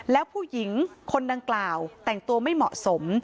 แล้วผู้หญิงคนดังกล่าวแต่งตัวไม่เหมาะสม